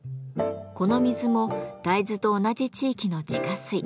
この水も大豆と同じ地域の地下水。